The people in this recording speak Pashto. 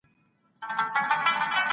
د الله بخښنه ډېره لویه ده.